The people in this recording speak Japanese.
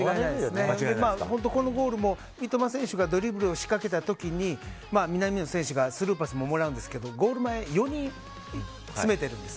本当このゴールも三笘選手がドリブルを仕掛けた時に南野選手がスルーパスもらうんですけどゴール前に４人詰めてるんです。